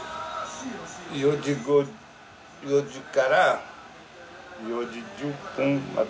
４時から４時１０分まで。